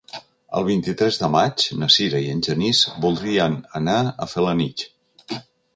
El vint-i-tres de maig na Sira i en Genís voldrien anar a Felanitx.